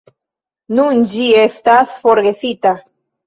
Nun ĝi estas forgesita.